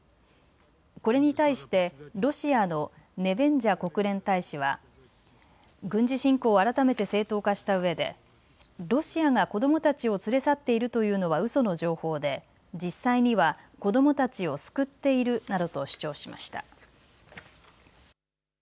これに対してロシアのネベンジャ国連大使は軍事侵攻を改めて正当化したうえでロシアが子どもたちを連れ去っているというのは、うその情報で実際には子どもたちを救っているなどと主張しました。